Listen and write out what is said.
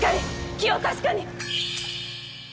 気を確かに！